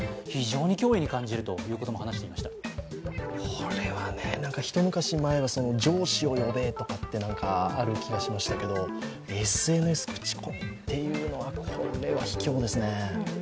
これはね、一昔前の上司を呼べとか、ある気がしましたけど、ＳＮＳ、口コミっていうのはこれは、ひきょうですね。